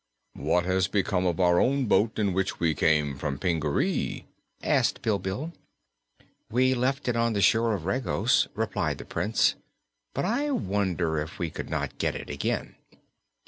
"What has become of our own boat, in which we came from Pingaree?" asked Bilbil. "We left it on the shore of Regos," replied the Prince, "but I wonder if we could not get it again."